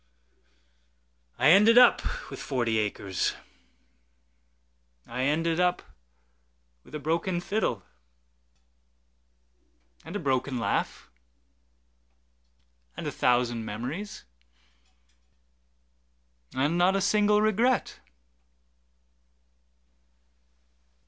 I ended up with forty acres;I ended up with a broken fiddle—And a broken laugh, and a thousand memories, And not a single regret.